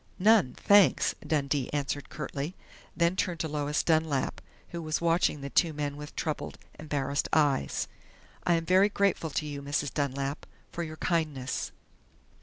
"None, thanks!" Dundee answered curtly, then turned to Lois Dunlap who was watching the two men with troubled, embarrassed eyes. "I am very grateful to you, Mrs. Dunlap, for your kindness."